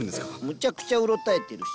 むちゃくちゃうろたえてるし。